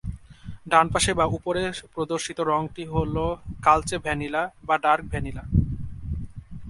ডানপাশে বা উপরে প্রদর্শিত রঙটি হলো কালচে ভ্যানিলা বা ডার্ক ভ্যানিলা।